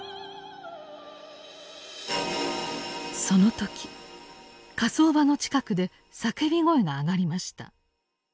その時火葬場の近くで叫び声が上がりました。